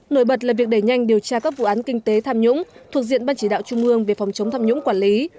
nổi bật là việc đẩy nhanh điều tra các vụ án kinh tế tham nhũng thuộc diện ban chỉ đạo trung ương về phòng chống tham nhũng quản lý